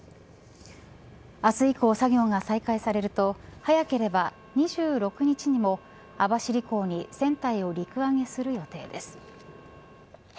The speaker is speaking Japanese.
明日以降作業が再開されると早ければ２６日にも網走港に船体を陸揚げする予定です。